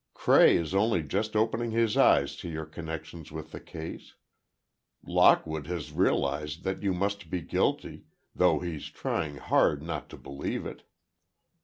Cray is only just opening his eyes to your connections with the case. Lockwood has realized that you must be guilty, though he's trying hard not to believe it.